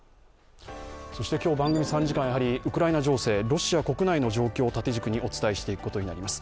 今日、番組３時間ウクライナ情勢、ロシア国内の状況を縦軸にお伝えしていきます。